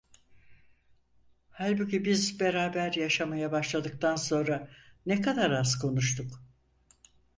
Halbuki biz beraber yaşamaya başladıktan sonra ne kadar az konuştuk…